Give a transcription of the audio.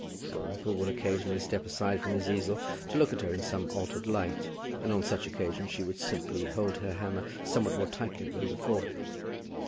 Dalrymple would occasionally step aside from his easel to look at her in some altered light, and on such occasions she would simply hold her hammer somewhat more tightly than before.